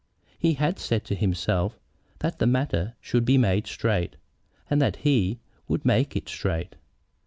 He had said to himself that the matter should be made straight, and that he would make it straight.